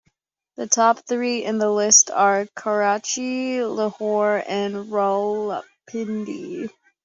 The top three in the list are Karachi, Lahore and Rawalpindi.